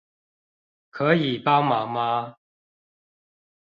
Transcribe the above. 可以幫忙嗎